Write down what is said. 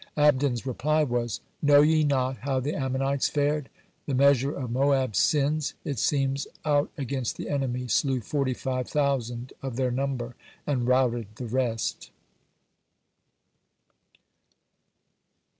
Abdon's reply was: "Know ye not how the Ammonites fared? The measure of Moab's sins, it seems, out against the enemy, slew forty five thousand of their number, and routed the rest.